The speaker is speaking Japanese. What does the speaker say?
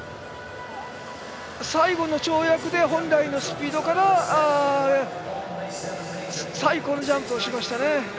最後の跳躍で本来のスピードから最高のジャンプをしましたね。